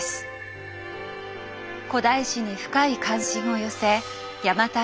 古代史に深い関心を寄せ邪馬台